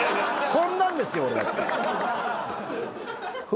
こんなんですよ、俺。